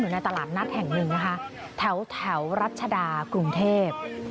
อยู่ในตลาดนัดแห่งหนึ่งแถวรัชดากรุงเทพฯ